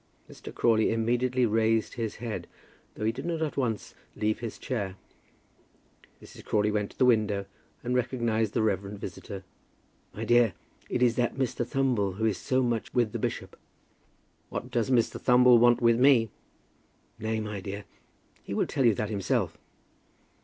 Mr. Crawley immediately raised his head, though he did not at once leave his chair. Mrs. Crawley went to the window, and recognized the reverend visitor. "My dear, it is that Mr. Thumble, who is so much with the bishop." "What does Mr. Thumble want with me?" "Nay, my dear; he will tell you that himself."